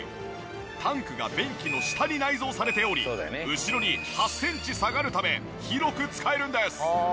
タンクが便器の下に内蔵されており後ろに８センチ下がるため広く使えるんです！